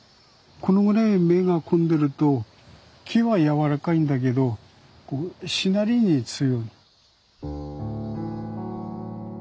このぐらい目がこんでると木は軟らかいんだけどしなりに強い。